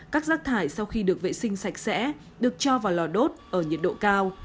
các rác thải sau khi được vệ sinh sạch sẽ được cho vào lò đốt ở nhiệt độ cao